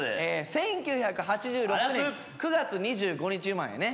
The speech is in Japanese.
１９８６年９月２５日生まれね